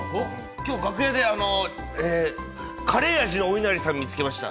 今日、楽屋でカレー味のおいなりさんを見つけました。